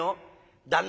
旦那